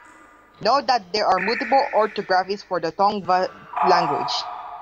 Note that there are multiple orthographies for the Tongva language.